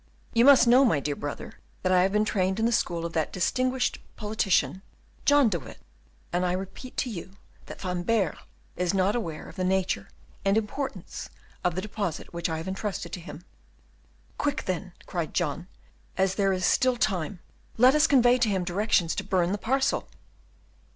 "You must know, my dear brother, that I have been trained in the school of that distinguished politician John de Witt; and I repeat to you, that Van Baerle is not aware of the nature and importance of the deposit which I have intrusted to him." "Quick then," cried John, "as there is still time, let us convey to him directions to burn the parcel."